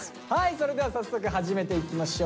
それでは早速始めていきましょう。